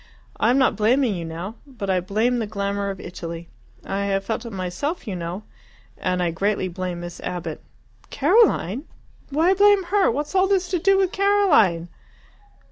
I am not blaming you now. But I blame the glamour of Italy I have felt it myself, you know and I greatly blame Miss Abbott." "Caroline! Why blame her? What's all this to do with Caroline?"